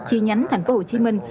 chi nhánh thành phố hồ chí minh